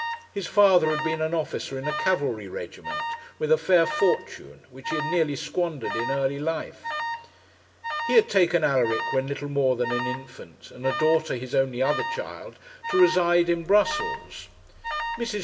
His father had been an officer in a cavalry regiment, with a fair fortune, which he had nearly squandered in early life. He had taken Alaric when little more than an infant, and a daughter, his only other child, to reside in Brussels. Mrs.